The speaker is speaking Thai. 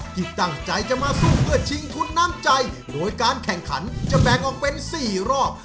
ที่ตั้งใจจะมาสู้เพื่อชิงทุนน้ำใจโดยการแข่งขันจะแบ่งออกเป็น๔รอบ